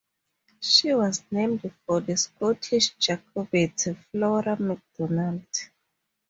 She was named for the Scottish Jacobite Flora MacDonald.